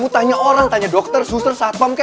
tanya orang tanya dokter susah